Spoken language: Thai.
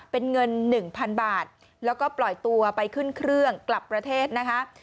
เป็นเงิน๑๐๐๐บาทแล้วก็ปล่อยตัวไปขึ้นเครื่องกลับประเทศนะคะ